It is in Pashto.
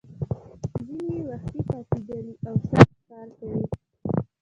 ځینې یې وختي پاڅېدلي او سخت کار کوي.